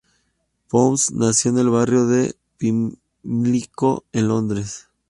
Pounds nació en el barrio de Pimlico, en Londres.